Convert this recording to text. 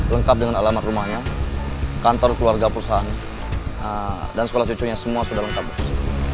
lengkap dengan alamat rumahnya kantor keluarga perusahaan dan sekolah cucunya semua sudah lengkap